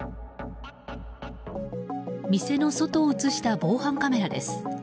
店の外を映した防犯カメラです。